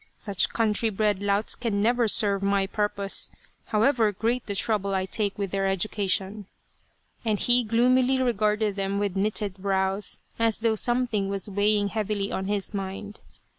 " Such country bred louts can never serve my purpose, however great the trouble I take with their education," and he gloomily regarded them with knitted brows, as though something was weighing heavily on his mind.